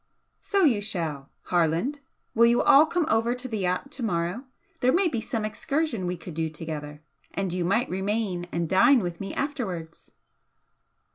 "So you shall! Harland, will you all come over to the yacht to morrow? There may be some excursion we could do together and you might remain and dine with me afterwards."